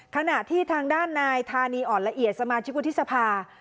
ขณะที่ทางด้านนายธานีอ่อนละเอียดสมาชิกวุฒิสภา